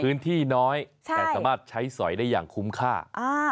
พื้นที่น้อยแต่สามารถใช้สอยได้อย่างคุ้มค่า